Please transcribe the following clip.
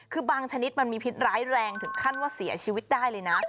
คือบางชนิดมันมีพิษร้ายแรงถึงขั้นว่าเสียชีวิตได้เลยนะ